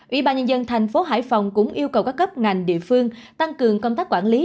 ủy ban nhân dân thành phố hải phòng cũng yêu cầu các cấp ngành địa phương tăng cường công tác quản lý